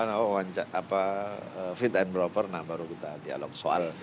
kalau sudah selesai fit and proper nah baru kita dialog soal